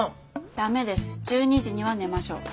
ダメです１２時には寝ましょう。